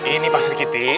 ini pak sri kiti